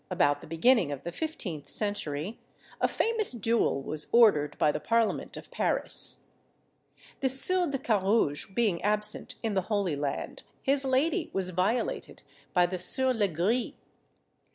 about the beginning of the fifteenth century, a famous duel was ordered by the parliament of Paris. The Sieur de Carrouges being absent in the Holy Land, his lady was violated by the Sieur Legris.